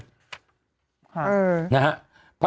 ใช่ค่ะ